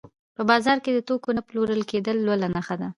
په بازار کې د توکو نه پلورل کېدل بله نښه ده